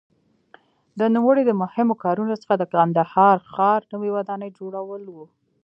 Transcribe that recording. د نوموړي د مهمو کارونو څخه د کندهار ښار نوې ودانۍ جوړول وو.